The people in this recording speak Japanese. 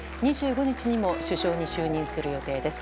２５日にも首相に就任する予定です。